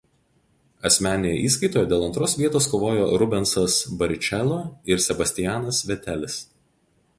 Asmeninėje įskaitoje dėl antros vietos kovojo Rubensas Barrichello ir Sebastianas Vettelis.